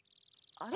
あれ？